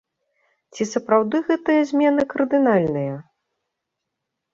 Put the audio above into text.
Ці сапраўды гэтыя змены кардынальныя?